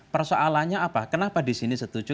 persoalannya apa kenapa di sini setuju